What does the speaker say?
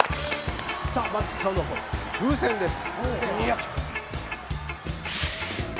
まず使うのは風船です。